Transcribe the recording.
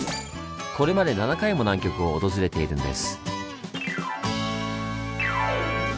これまで７回も南極を訪れているんです。